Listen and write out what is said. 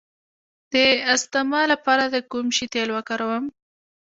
د استما لپاره د کوم شي تېل وکاروم؟